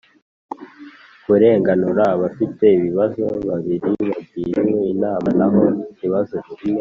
Kurenganura abafite ibibazo babiri bagiriwe inama naho ikibazo kimwe